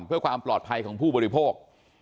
เพื่อความปลอดภัยของผู้บริโภค